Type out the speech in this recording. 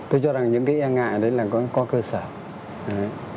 tôi cho rằng những cái e ngại đấy là có cơ sở